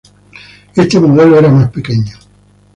Este modelo era más pequeño.